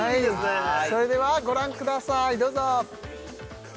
それではご覧くださいどうぞ！